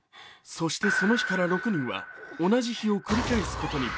そしてその日から６人は同じ日を繰り返すことに。